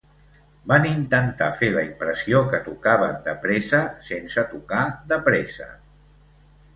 Van intentar fer la impressió que tocaven de pressa sense tocar de pressa.